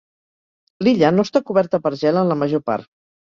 L'illa no està coberta per gel en la major part.